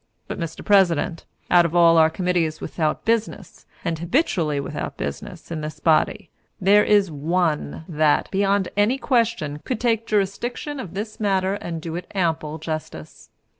But, Mr. President, out of all committees without business, and habitually without business, in this body, there is one that, beyond any question, could take jurisdiction of this matter and do it ample justice.